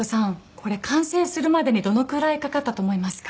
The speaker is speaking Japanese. これ完成するまでにどのくらいかかったと思いますか？